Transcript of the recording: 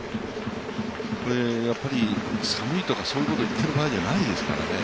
寒いとかそういうことを言ってる場合じゃないですからね。